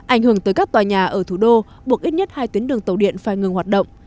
ảnh hưởng tới các tòa nhà ở thủ đô buộc ít nhất hai tuyến đường tàu điện phải ngừng hoạt động